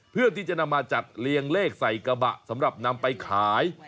เพื่อที่จะนำมาจัดเรียงเลขใส่กระบะสำหรับนำไปขาย